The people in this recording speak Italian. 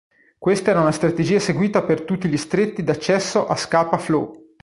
Questa era una strategia seguita per tutti gli stretti d accesso a Scapa Flow.